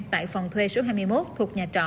tại phòng thuê số hai mươi một thuộc nhà trọ